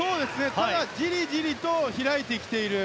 ただじりじりと開いてきている。